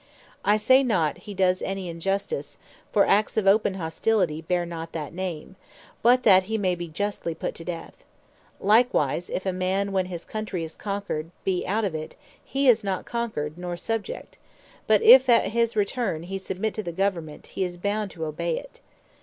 I say not, hee does any Injustice, (for acts of open Hostility bear not that name); but that he may be justly put to death. Likewise, if a man, when his Country is conquered, be out of it, he is not Conquered, nor Subject: but if at his return, he submit to the Government, he is bound to obey it.